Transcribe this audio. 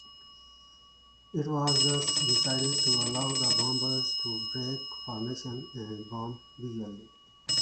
It was thus decided to allow the bombers to break formation and bomb visually.